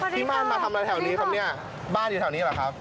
ที่บ้านมาทำอะไรแถวนี้ครับเนี่ยบ้านอยู่แถวนี้เหรอครับ